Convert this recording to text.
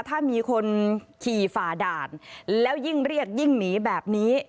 ถ้ามีคนขี่ฝ่าด่านแล้วยิ่งเรียกยิ่งหนีแบบนี้